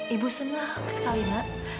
ibu senang sekali nak